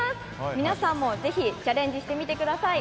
皆さんもぜひチャレンジしてみてください。